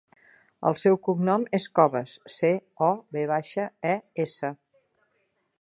El seu cognom és Coves: ce, o, ve baixa, e, essa.